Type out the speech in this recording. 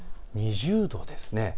２０度です。